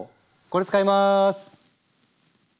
これ使います！